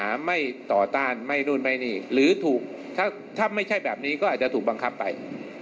ไม่ต่อต้านไม่นู่นไม่นี่หรือถูกถ้าไม่ใช่แบบนี้ก็อาจจะถูกบังคับไป